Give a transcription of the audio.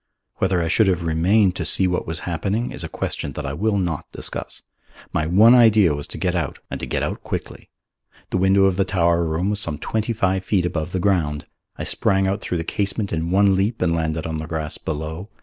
Whether I should have remained to see what was happening is a question that I will not discuss. My one idea was to get out, and to get out quickly. The window of the tower room was some twenty five feet above the ground. I sprang out through the casement in one leap and landed on the grass below.